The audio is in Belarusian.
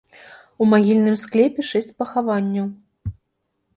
У магільным склепе шэсць пахаванняў.